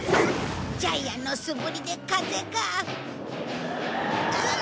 ジャイアンの素振りで風が。うっ。